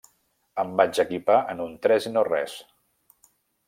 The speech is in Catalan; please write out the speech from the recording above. Em vaig equipar en un tres i no res.